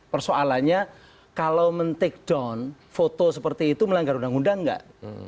persoalannya kalau mendikte foto seperti itu melanggar undang undang enggak